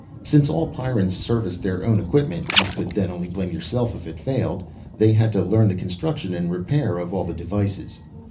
Since all Pyrrans serviced their own equipment you could then only blame yourself if it failed they had to learn the construction and repair of all the devices.